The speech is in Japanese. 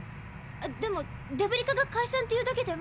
でもデブリ課が「解散」っていうだけでまだ。